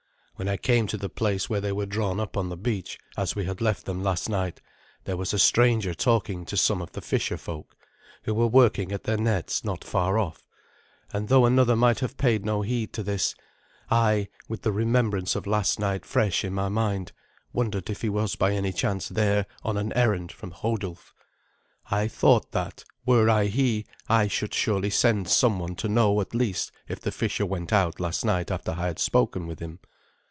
When I came to the place where they were drawn up on the beach, as we had left them last night, there was a stranger talking to some of the fisher folk, who were working at their nets not far off; and though another might have paid no heed to this, I, with the remembrance of last night fresh in my mind, wondered if he was by any chance there on an errand from Hodulf. I thought that, were I he, I should surely send someone to know, at least, if the fisher went out last night after I had spoken with him.